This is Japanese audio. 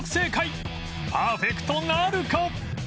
パーフェクトなるか！？